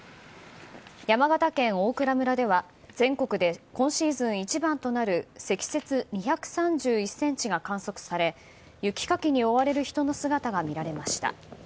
山形県大蔵村では全国で今シーズン一番となる積雪２３１ｃｍが観測され雪かきに追われる人の姿が見られました。